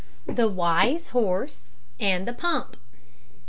THE WISE HORSE AND THE PUMP.